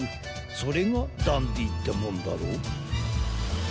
それがダンディってもんだろ。